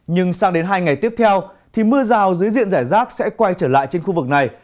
nhưng sang đến hai ngày tiếp theo thì mưa rào dưới diện giải rác sẽ quay trở lại trên khu vực này